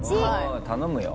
頼むよ